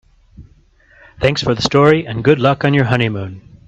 Thanks for the story and good luck on your honeymoon.